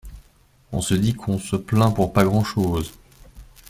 On se dit qu'on se plaint pour pas grand chose.